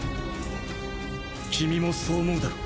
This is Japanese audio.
君もそう思うだろう？